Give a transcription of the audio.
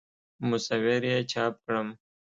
مصور یې چاپ کړم.